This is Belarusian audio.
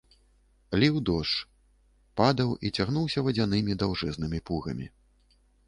Ліў дождж, падаў і цягнуўся вадзянымі даўжэзнымі пугамі.